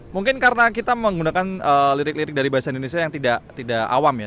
mungkin karena kita menggunakan lirik lirik dari bahasa indonesia yang tidak awam ya